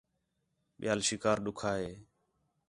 ٻِیال شکار ݙُکّھا ہِے